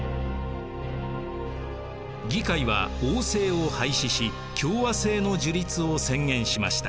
議会は王政を廃止し共和政の樹立を宣言しました。